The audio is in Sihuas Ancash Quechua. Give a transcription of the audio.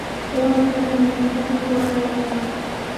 Wamra mamanpaqmi waqaykan.